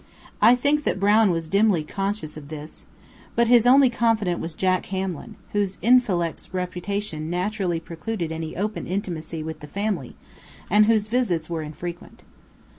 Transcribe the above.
I think that Brown was dimly conscious of this. But his only confidant was Jack Hamlin, whose INFELIX reputation naturally precluded any open intimacy with the family, and whose visits were infrequent.